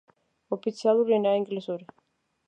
ოფიციალური ენაა ინგლისური.